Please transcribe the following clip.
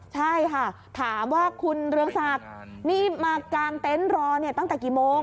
ใช่ค่ะถามว่าคุณเรืองศักดิ์นี่มากางเต็นต์รอตั้งแต่กี่โมง